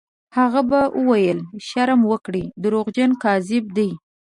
هغه به ویل: «شرم وکړئ! دروغجن، کذاب دی».